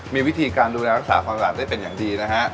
มีวิธีการดูแลรักษาความสะอาดได้เป็นอย่างดีนะฮะ